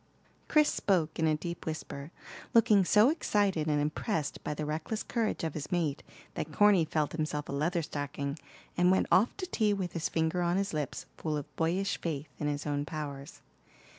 Chris spoke in a deep whisper, looking so excited and impressed by the reckless courage of his mate that Corny felt himself a Leatherstocking, and went off to tea with his finger on his lips, full of boyish faith in his own powers.